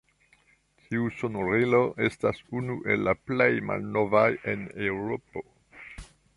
Tiu sonorilo estas unu el la plej malnovaj en Eŭropo.